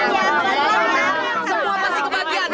semua pasti kebahagiaan